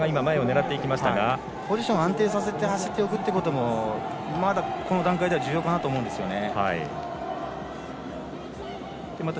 ポジションを安定させて走っておくこともこの段階では重要かなと思うんですね。